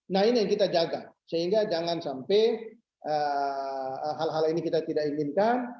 nah ini yang kita jaga sehingga jangan sampai hal hal ini kita tidak inginkan